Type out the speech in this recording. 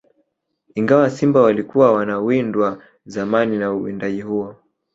Ingawa simba walikuwa wanawindwa zamani na uwindaji huo